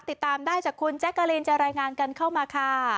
ติดตามได้จากคุณแจ๊กกะลีนจะรายงานกันเข้ามาค่ะ